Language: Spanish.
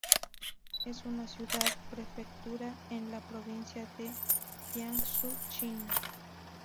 Es una ciudad-prefectura en la provincia de Jiangsu, China.